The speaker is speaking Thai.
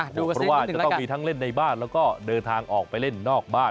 เพราะว่าจะต้องมีทั้งเล่นในบ้านแล้วก็เดินทางออกไปเล่นนอกบ้าน